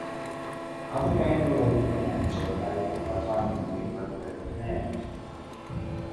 Other game related commands are available by typing the appropriate command.